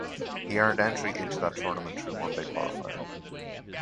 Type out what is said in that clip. He earned entry into that tournament through Monday qualifier.